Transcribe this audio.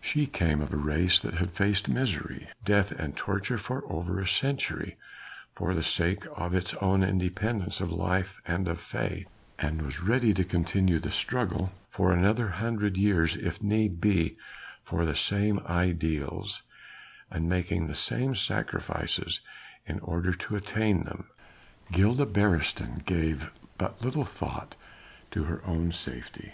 She came of a race that had faced misery, death and torture for over a century for the sake of its own independence of life and of faith, and was ready to continue the struggle for another hundred years if need be for the same ideals, and making the same sacrifices in order to attain them. Gilda Beresteyn gave but little thought to her own safety.